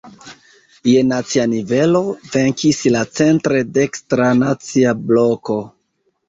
Je nacia nivelo, venkis la centre dekstra Nacia Bloko.